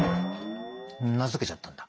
名付けちゃったんだ。